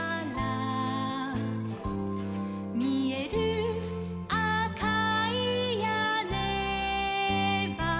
「みえるあかいやねは」